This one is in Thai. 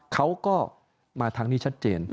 เขาก็มาทางนี้ชัดเจน